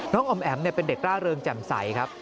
อ๋อมแอ๋มเป็นเด็กร่าเริงแจ่มใสครับ